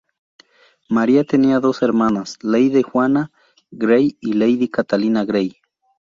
María tenía dos hermanas, lady Juana Grey y lady Catalina Grey.